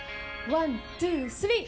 ワン・ツー・スリー！